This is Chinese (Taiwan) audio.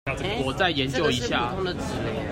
我再研究一下